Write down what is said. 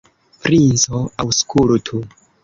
Princo, aŭskultu!